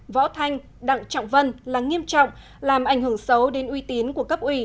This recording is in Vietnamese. võ thanh đặng trọng vân là nghiêm trọng làm ảnh hưởng xấu đến uy tín của cấp ủy